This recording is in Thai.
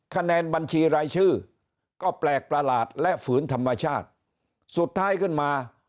คะแนนบัญชีรายชื่อก็แปลกประหลาดและฝืนธรรมชาติสุดท้ายขึ้นมา